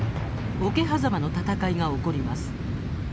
桶狭間の戦いが起こります。